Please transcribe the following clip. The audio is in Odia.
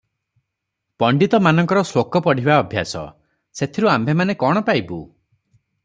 ପଣ୍ତିତମାନଙ୍କର ଶ୍ଳୋକ ପଢ଼ିବା ଅଭ୍ୟାସ, ସେଥିରୁ ଆମ୍ଭେମାନେ କ'ଣ ପାଇବୁ?